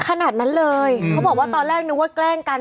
ขนาดนั้นเลยเขาบอกว่าตอนแรกนึกว่าแกล้งกัน